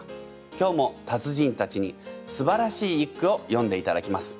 今日も達人たちにすばらしい一句をよんでいただきます。